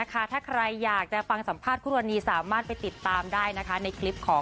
ก็คือเขาก็บอกว่าเออไม่เป็นไรเดี๋ยวไปละกัน